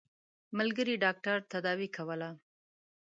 ملګري ډاکټر تداوي کوله.